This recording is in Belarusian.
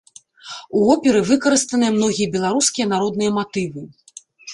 У оперы выкарыстаныя многія беларускія народныя матывы.